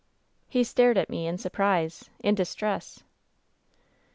"He stared at me in surprise, in distress.